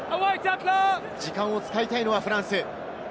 時間を使いたいのはフランス。